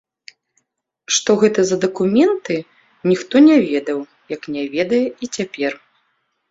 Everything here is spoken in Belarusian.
Што гэта за дакументы, ніхто не ведаў, як не ведае і цяпер.